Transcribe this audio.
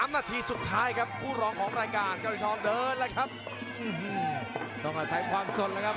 ๓นาทีสุดท้ายครับผู้ร้องของรายการเก้าเหรียญทองเดินแล้วครับ